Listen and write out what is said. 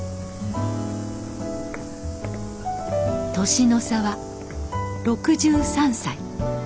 年の差は６３歳。